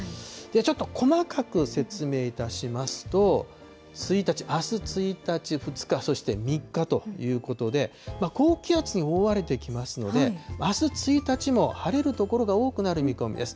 ちょっと細かく説明いたしますと、１日、あす１日、２日、そして３日ということで、高気圧に覆われてきますので、あす１日も晴れる所が多くなる見込みです。